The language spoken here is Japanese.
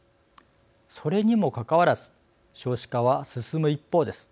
それにもかかわらず少子化は進む一方です。